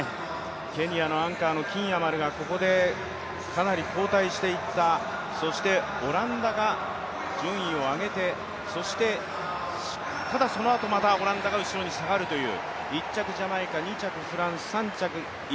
ケニアのアンカーのキンヤマルがここでかなり後退していったそして、オランダが順位を上げてそしてただそのあと、またオランダが後ろに下がるという。